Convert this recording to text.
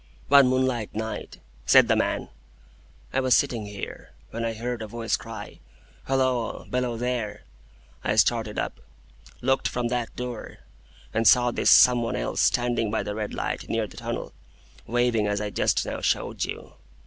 "One moonlight night," said the man, "I was sitting here, when I heard a voice cry, 'Halloa! Below there!' I started up, looked from that door, and saw this Some one else standing by the red light near the tunnel, waving as I just now showed you.